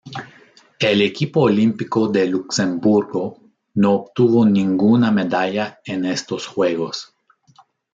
El equipo olímpico de Luxemburgo no obtuvo ninguna medalla en estos Juegos.